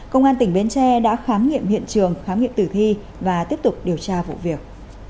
công an tỉnh bến tre đã khám nghiệm hiện trường khám nghiệm tử thi và tiếp tục điều tra vụ việc